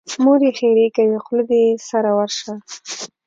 مور یې ښېرې کوي: خوله دې سره ورشه.